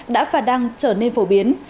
đã và đang trở nên phổ biến